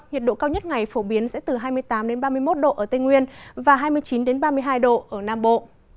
nhiệt độ cao nhất ngày phổ biến sẽ từ hai mươi tám ba mươi một độ ở tây nguyên và hai mươi chín ba mươi hai độ ở nam bộ